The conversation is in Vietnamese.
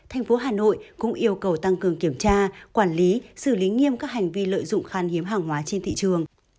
thành phố hà nội cũng yêu cầu tăng cường kiểm tra quản lý xử lý nghiêm các hành vi lợi dụng khan hiếm hàng hóa trên thị trường